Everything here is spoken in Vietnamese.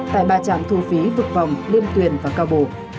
tại ba trạm thu phí vực vòng liêm tuyển và cao bổ